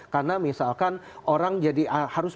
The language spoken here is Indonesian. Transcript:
karena misalkan orang jadi harus